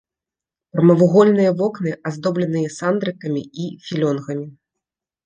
Прамавугольныя вокны аздоблены сандрыкамі і філёнгамі.